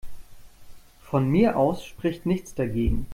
Von mir aus spricht nichts dagegen.